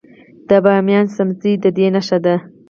د بامیان سمڅې د دې نښه ده